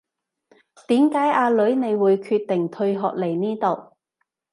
點解阿女你會決定退學嚟呢度